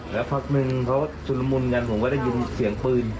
แล้วพักนึงเขาชุดละมุนกันผมก็ได้ยินเสียงปืน